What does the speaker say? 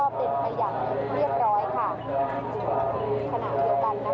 โดยบรรยากาศก็เป็นไปอย่างเรียบร้อยค่ะ